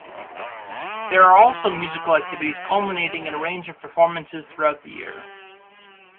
There are also musical activities culminating in a range of performances throughout the year.